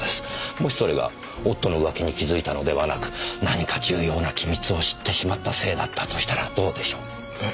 もしそれが夫の浮気に気付いたのではなく何か重要な機密を知ってしまったせいだったとしたらどうでしょう？え？